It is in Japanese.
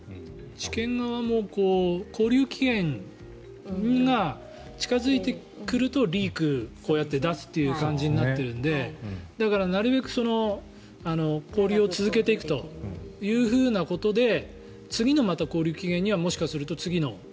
地検側も勾留期限が近付いてくるとリークをこうやって出すという感じになってるんでだから、なるべく勾留を続けていくということで次のまた勾留期限にはまたもしかしたら次の。